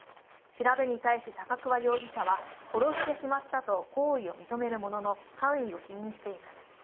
調べに対し、高桑容疑者は殺してしまったと行為を認めるものの、犯意を否認しています。